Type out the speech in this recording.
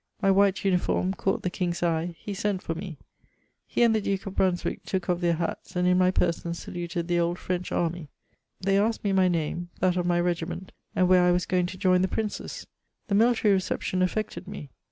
My white uniform caught the ]ang*a eye ; he aent for me : he mod the Duke o£ Brunswick took off their hats, and in my ^pexson laluted ^ M Freaeh army. Tbej asked me my name^ that o£ my regiment^ and where I waa going to jom the princes. 'This imlitary reception afieeted me.